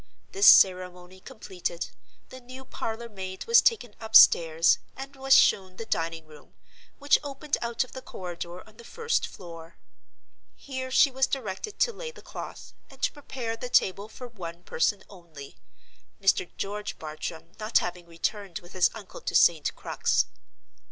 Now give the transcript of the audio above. This ceremony completed, the new parlor maid was taken upstairs, and was shown the dining room, which opened out of the corridor on the first floor. Here she was directed to lay the cloth, and to prepare the table for one person only—Mr. George Bartram not having returned with his uncle to St. Crux.